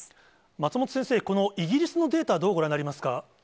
松本先生、このイギリスのデータはどうご覧になりますか？